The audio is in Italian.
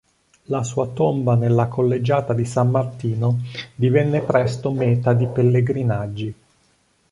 La sua tomba nella collegiata di San Martino divenne presto meta di pellegrinaggi.